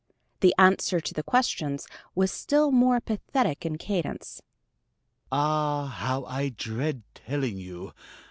The answer to the questions was still more pathetic in cadence. "Ah, how I dread telling you!...